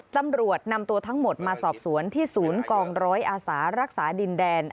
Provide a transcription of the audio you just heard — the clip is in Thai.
ตำรวจนำตัวทั้งหมดมาสอบสวนที่ศูนย์กองร้อยอาสารักษาดินแดน